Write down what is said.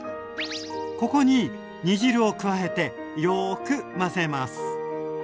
ここに煮汁を加えてよく混ぜます。